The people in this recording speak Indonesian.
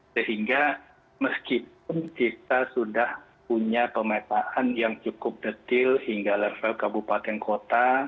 sehingga meskipun kita sudah punya pemetaan yang cukup detil hingga level kabupaten kota